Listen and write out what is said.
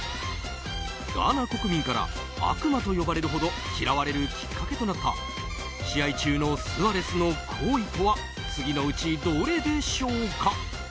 ガーナ国民から悪魔と呼ばれるほど嫌われるきっかけとなった試合中のスアレスの行為とは次のうちどれでしょうか？